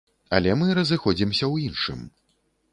Але мы разыходзімся ў іншым.